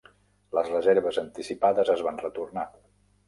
Les reserves anticipades es van retornar.